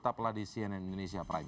tap la di cnn indonesia prime news